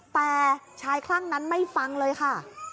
แต่ชายคลั่งนั้นไม่ฟังเลยค่ะ